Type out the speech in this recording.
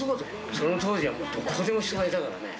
その当時はどこでも人がいたからね。